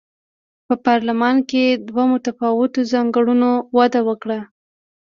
په پارلمان کې دوه متفاوتو ځانګړنو وده وکړه.